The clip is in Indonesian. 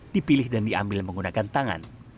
dipilih dan diambil menggunakan tangan